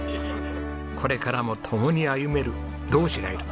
これからも共に歩める同志がいる。